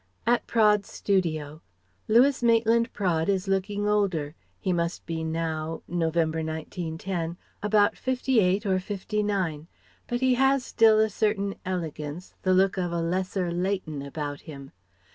At Praed's studio. Lewis Maitland Praed is looking older. He must be now November, 1910 about fifty eight or fifty nine. But he has still a certain elegance, the look of a lesser Leighton about him.